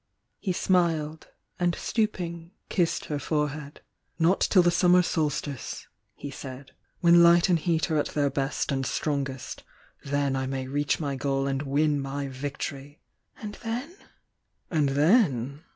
He smiled, and stooping, kissed her forehead. "Not till the summer solstice," he said. "When light and heat are at their best and strongest, then I may reach my goal and win my victory!" "And then?" "And then?"